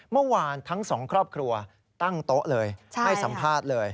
เมื่อวานทั้งสองครอบครัวตั้งโต๊ะเลยให้สัมภาษณ์เลย